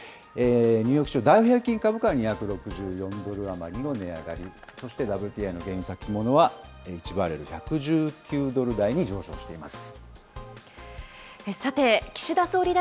ニューヨーク市場ダウ平均株価、２６４ドル余りの値上がり、そしてＷＴＩの原油先物は１１９ドル台に上昇しています。